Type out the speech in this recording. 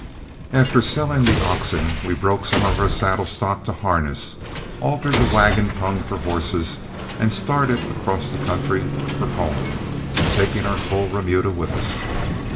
After selling the oxen we broke some of our saddle stock to harness, altered the wagon tongue for horses, and started across the country for home, taking our full remuda with us.